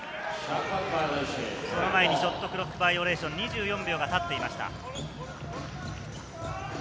その前にショットクロックバイオレーション、２４秒たっていました。